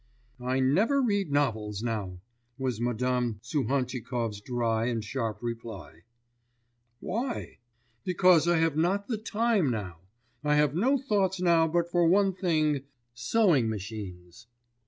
'I never read novels now,' was Madame Suhantchikov's dry and sharp reply. 'Why?' 'Because I have not the time now; I have no thoughts now but for one thing, sewing machines.